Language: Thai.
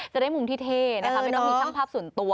จะได้มุมที่เท่นะคะไม่ต้องมีช่างภาพส่วนตัว